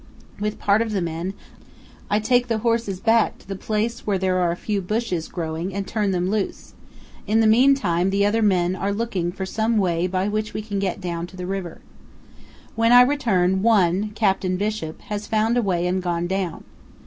With part of the men, I take the horses back to the place where there are a few bushes growing and turn them loose; in the meantime the other men are looking for some way by which we can get down to the river. When I return, one, Captain Bishop, has found a way and gone down.